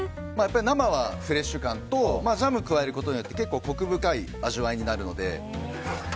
生はフレッシュ感とジャムを加えることによって結構コク深い味わいになるので。